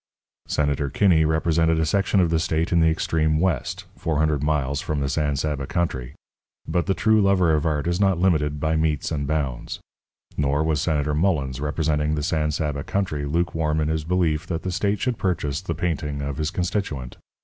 Senator Kinney represented a section of the state in the extreme West 400 miles from the San Saba country but the true lover of art is not limited by metes and bounds. Nor was Senator Mullens, representing the San Saba country, lukewarm in his belief that the state should purchase the painting of his constituent.